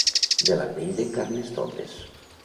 De la pell d'en Carnestoltes.